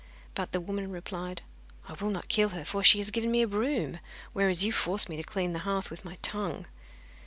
But the woman replied: 'I will not kill her, for she has given me a broom, whereas you forced me to clean the hearth with my tongue.